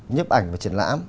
nhấp ảnh và triển lãm